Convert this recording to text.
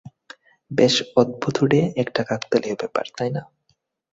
বেশ অদ্ভুতুড়ে একটা কাকতালীয় ব্যাপার, তাই না?